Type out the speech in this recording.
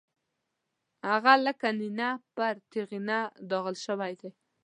هغه لکه نېنه پر تېغنه داغل شوی دی.